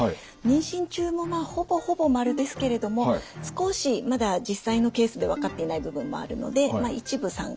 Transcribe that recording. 妊娠中もまあほぼほぼ○ですけれども少しまだ実際のケースで分かっていない部分もあるので一部